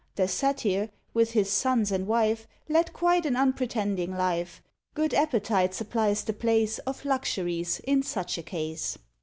The Satyr, with his sons and wife, Led quite an unpretending life: Good appetite supplies the place Of luxuries in such a case.